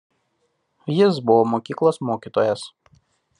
Jis buvo mokyklos mokytojas.